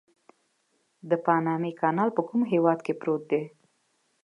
د پانامي کانال په کوم هېواد کې پروت دی؟